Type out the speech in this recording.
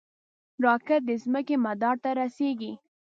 راکټ د ځمکې مدار ته رسېږي